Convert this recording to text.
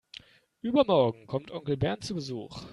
Übermorgen kommt Onkel Bernd zu Besuch.